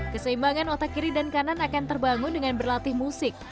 keseimbangan otak kiri dan kanan akan terbangun dengan berlatih musik